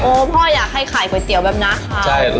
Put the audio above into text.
โอพ่ออยากให้ขายก๋วยเตี๋ยวเนี้ยครับ